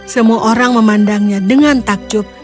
semua orang memandangnya dengan takjub